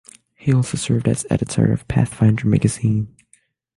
He also served as editor of "Pathfinder" magazine.